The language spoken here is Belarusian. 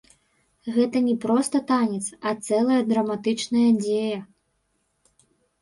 Гэта не проста танец, а цэлая драматычная дзея.